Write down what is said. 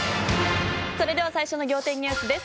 それでは最初の仰天ニュースです。